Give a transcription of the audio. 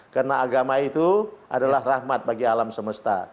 karena agama itu adalah rahmat bagi alam semesta